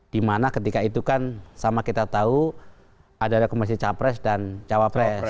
dimana ketika itu kan sama kita tahu ada rekomendasi capres dan cawapres